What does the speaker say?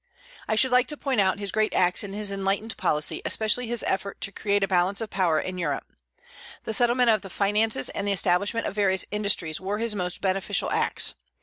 I should like to point out his great acts and his enlightened policy, especially his effort to create a balance of power in Europe. The settlement of the finances and the establishment of various industries were his most beneficial acts.